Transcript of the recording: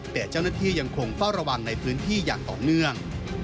แต่เจ้าหน้าที่ยังคงเฝ้าระวังในพื้นที่อย่างต่อเนื่อง